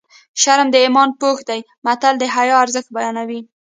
شرم د ایمان پوښ دی متل د حیا ارزښت بیانوي